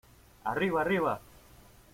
¡ arriba!... ¡ arriba !...